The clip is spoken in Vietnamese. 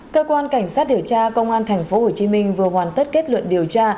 cơ quan cảnh sát điều tra công an tp hcm vừa hoàn tất kết luận điều tra